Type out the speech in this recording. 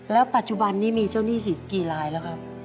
แล้วปัจจุบันนี้มีเจ้าหนี้อีกกี่ลายแล้วครับ